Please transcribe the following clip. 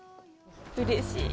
うれしい！